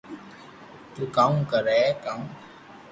ئر ڪرو ڪا و